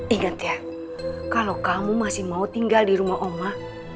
ingat ya kalau kamu masih mau tinggal di rumah oma